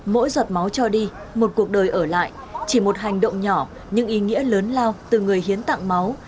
mỗi giọt máu cho đi một cuộc đời ở lại chỉ một hành động nhỏ nhưng ý nghĩa lớn lao từ người hiến tặng máu